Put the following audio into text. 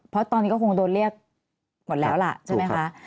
เพราะตอนนี้ก็คงโดนเรียกหมดแล้วล่ะใช่ไหมคะ